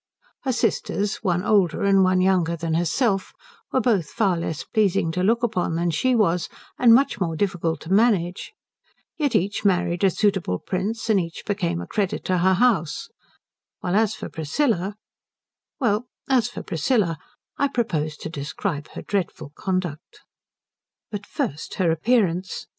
Her sisters, one older and one younger than herself, were both far less pleasing to look upon than she was, and much more difficult to manage; yet each married a suitable prince and each became a credit to her House, while as for Priscilla, well, as for Priscilla, I propose to describe her dreadful conduct. But first her appearance.